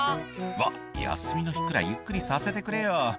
「わっ休みの日くらいゆっくりさせてくれよ」